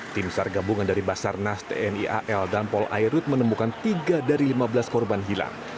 tim sargabungan dari basarnas tni al dan pol airut menemukan tiga dari lima belas korban hilang